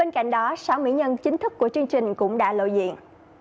các sáu mỹ nhân chính thức của chương trình cũng đã lội diện